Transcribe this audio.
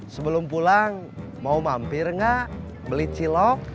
sebelum pulang mau mampir nggak beli cilok